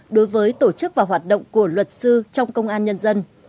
đối với tổ chức và hoạt động của luật sư trong công an nhân dân